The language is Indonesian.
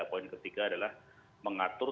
poin ketiga adalah mengatur